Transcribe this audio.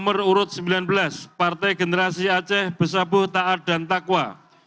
nomor urut sembilan belas partai generasi aceh besaboh taat dan takwa